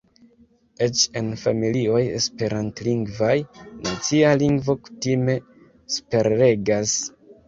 Eĉ en familioj Esperantlingvaj, nacia lingvo kutime superregas.